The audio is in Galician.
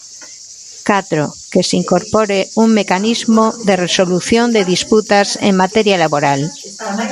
Catro, que se incorpore un mecanismo de resolución de disputas en materia laboral.